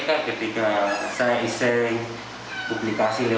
penyelidikan kucing kucing yang saya mencari di kursi ini saya meminta kepada kucing kucing